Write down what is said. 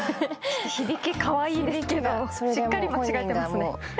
響きかわいいですけどしっかり間違えてますね。